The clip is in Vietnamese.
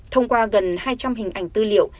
thông qua gần hai trăm linh hình ảnh tư liệu